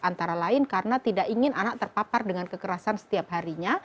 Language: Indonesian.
antara lain karena tidak ingin anak terpapar dengan kekerasan setiap harinya